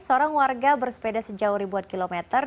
seorang warga bersepeda sejauh ribuan kilometer